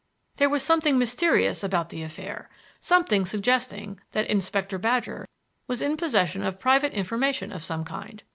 There was something mysterious about the affair, something suggesting that Inspector Badger was in possession of private information of some kind.